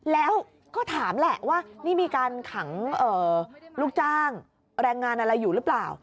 แล้วก็ถามแหละว่านี่มีการขังลูกจ้างแรงงานอะไรอยู่หรือเปล่า